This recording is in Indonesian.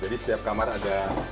jadi setiap kamar ada